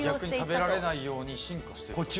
逆に食べられないように進化して行った。